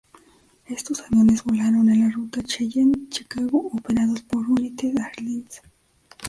Estos aviones volaron en la ruta Cheyenne-Chicago operados por United Airlines.